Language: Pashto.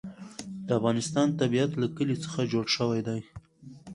د افغانستان طبیعت له کلي څخه جوړ شوی دی.